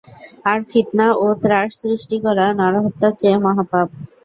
আর ফিতনা ও ত্রাস সৃষ্টি করা নরহত্যার চেয়ে মহাপাপ।